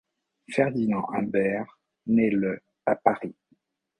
Ferdinand Humbert naît le à Paris.